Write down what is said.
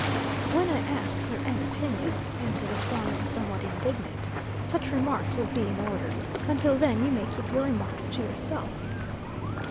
"'When I ask you for an opinion,' answered the foreman, somewhat indignant, 'such remarks will be in order. Until then you may keep your remarks to yourself.'